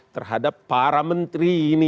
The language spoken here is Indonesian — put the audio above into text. terhadap para menteri ini